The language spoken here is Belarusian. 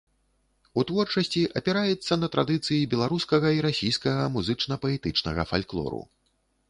У творчасці апіраецца на традыцыі беларускага і расійскага музычна-паэтычнага фальклору.